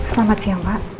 selamat siang pak